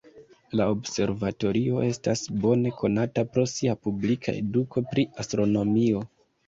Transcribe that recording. La observatorio estas bone konata pro sia publika eduko pri astronomio.